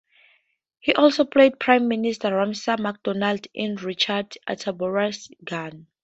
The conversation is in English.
He also played Prime Minister Ramsay MacDonald, in Richard Attenborough's "Gandhi".